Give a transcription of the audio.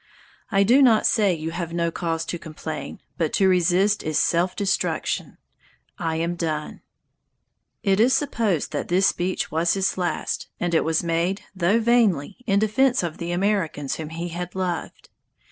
I do not say you have no cause to complain, but to resist is self destruction. I am done." It is supposed that this speech was his last, and it was made, though vainly, in defense of the Americans whom he had loved.